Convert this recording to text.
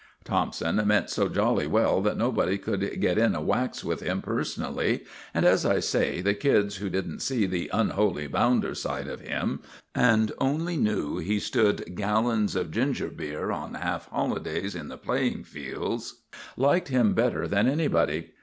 Thompson meant so jolly well that nobody could get in a wax with him personally; and, as I say, the kids, who didn't see the "unholy bounder" side of him, and only knew he stood gallons of ginger beer on half holidays in the playing fields, liked him better than anybody.